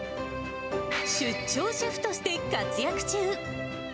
出張シェフとして活躍中。